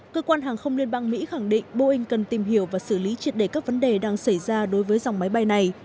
cơ quan hàng không liên bang mỹ khẳng định boeing cần tìm hiểu và xử lý triệt đề các vấn đề đang xảy ra đối với dòng máy bay này